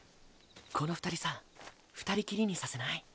この二人さ二人きりにさせない？